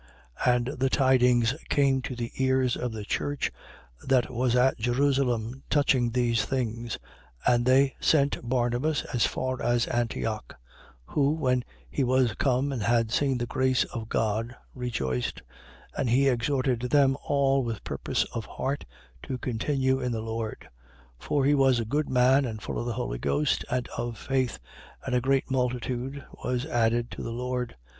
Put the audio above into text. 11:22. And the tidings came to the ears of the church that was at Jerusalem, touching these things: and they sent Barnabas as far as Antioch. 11:23. Who, when he was come and had seen the grace of God, rejoiced. And he exhorted them all with purpose of heart to continue in the Lord. 11:24. For he was a good man and full of the Holy Ghost and of faith. And a great multitude was added to the Lord.